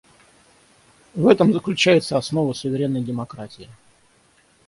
В этом заключается основа суверенной демократии.